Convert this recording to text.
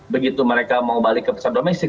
begitu mereka mau balik ke pesawat domestik